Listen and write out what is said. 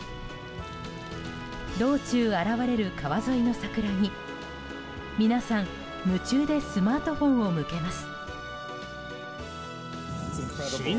道中現れる川沿いの桜に皆さん、夢中でスマートフォンを向けます。